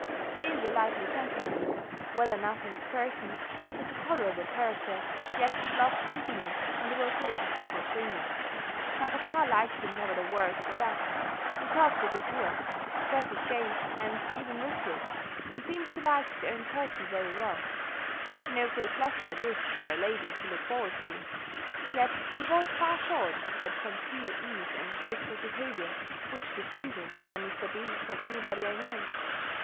He is a lively gentleman, well enough in his person, has a tolerable character, yet loves company, and will take his bottle freely; my papa likes him ne'er the worse for that: he talks a good deal; dresses gay, and even richly, and seems to like his own person very well no great pleasure this for a lady to look forward to; yet he falls far short of that genteel ease and graceful behaviour, which distinguish your Mr. B. from any body I know.